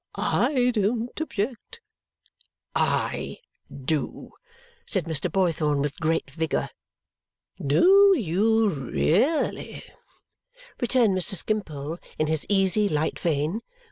I don't object." "I do," said Mr. Boythorn with great vigour. "Do you really?" returned Mr. Skimpole in his easy light vein.